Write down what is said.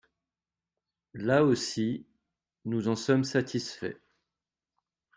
Là aussi, nous en sommes satisfaits.